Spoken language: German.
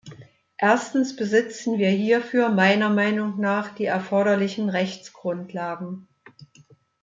Erstens besitzen wir hierfür meiner Meinung nach die erforderlichen Rechtsgrundlagen.